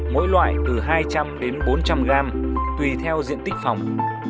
mỗi loại từ hai trăm linh đến bốn trăm linh gram tùy theo diện tích phòng